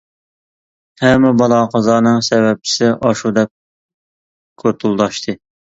ھەممە بالا-قازانىڭ سەۋەبچىسى ئاشۇ، دەپ كوتۇلداشتى.